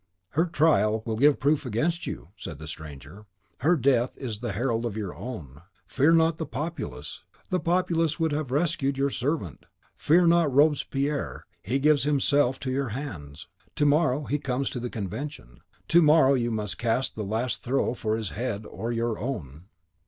"Her trial will give proof against you," said the stranger. "Her death is the herald of your own. Fear not the populace, the populace would have rescued your servant. Fear not Robespierre, he gives himself to your hands. To morrow he comes to the Convention, to morrow you must cast the last throw for his head or your own."